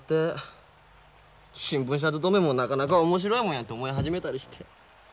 新聞社勤めもなかなか面白いもんやって思い始めたりして。